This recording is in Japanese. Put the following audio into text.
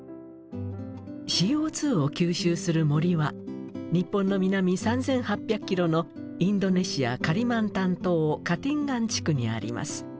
ＣＯを吸収する森は日本の南３，８００キロのインドネシアカリマンタン島カティンガン地区にあります。